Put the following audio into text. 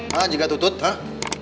hah jika tutut hah